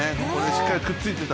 しっかりくっついてた。